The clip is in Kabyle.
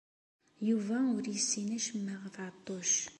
Yuba ur yessin acemma ɣef Ɛeṭṭuc.